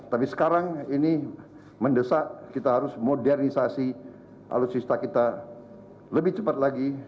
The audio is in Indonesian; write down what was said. tapi sekarang ini mendesak kita harus modernisasi alutsista kita lebih cepat lagi